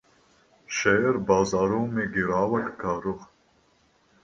share बाजारों में गिरावट का रुख